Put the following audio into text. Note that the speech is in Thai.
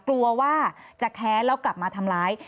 กลัวว่าจะแค้นแล้วกลับมาทำร้าย